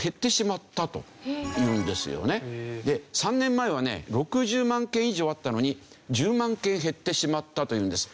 ３年前はね６０万件以上あったのに１０万件減ってしまったというんです。